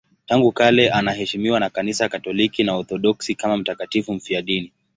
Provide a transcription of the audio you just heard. Tangu kale anaheshimiwa na Kanisa Katoliki na Waorthodoksi kama mtakatifu mfiadini.